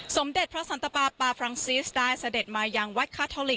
สมเด็จพระสันตปาปาฟรังซิสได้เสด็จมายังวัดคาทอลิก